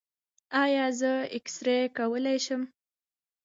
ایا زه اکسرې کولی شم؟